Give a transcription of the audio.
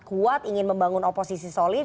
kuat ingin membangun oposisi solid